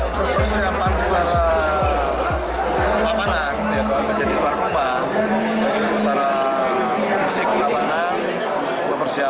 pemerintah kota surabaya menyatakan saat ini stadion gelora bung tomo telah bertarap internasional